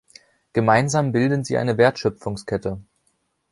Gemeinsam bilden sie eine Wertschöpfungskette.